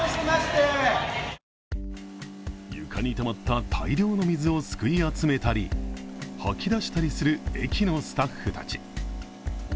床にたまった大量の水をすくい集めたり、掃き出したりする駅のスタッフたち。